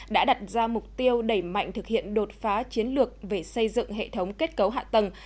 đã đặt ra mục tiêu đẩy mạnh thực hiện đột phá chiến lược về xây dựng hệ thống kết cấu hạ tầng